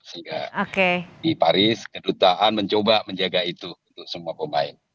sehingga di paris kedutaan mencoba menjaga itu untuk semua pemain